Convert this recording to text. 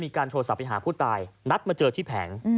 โทรศัพท์ไปหาผู้ตายนัดมาเจอที่แผง